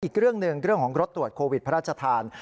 อีกเรื่องหนึ่งเรื่องของรถตรวจโควิดพระราชทาน